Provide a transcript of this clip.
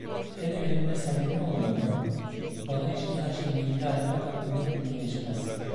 Hele benimle samimi olduğunu, bana içini açtığını iddia etmek aklımdan bile geçmez.